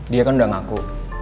dia kan udah ngaku